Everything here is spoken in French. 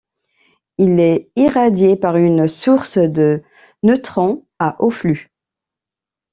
Il est irradié par une source de neutrons à haut flux.